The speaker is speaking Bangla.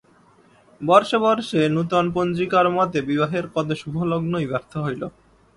বর্ষে বর্ষে নূতন পঞ্জিকার মতে বিবাহের কত শুভলগ্নই ব্যর্থ হইল।